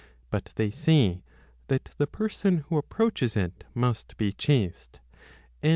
But they say that the person who approaches it must be chaste, and.